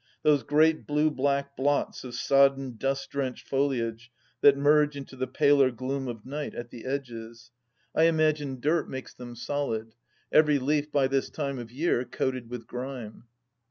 Those great blue black blots of sodden dust drenched foliage, that merge into the paler gloom of night at the edges 1 I imagine dirt THE LAST DITCH 188 makes them solid ; every leaf, by this time of year, coated with grime.